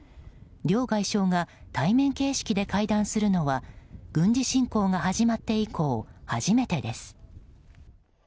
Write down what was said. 両外相が対面形式で会談するのは軍事侵攻が始まって以降初めてです。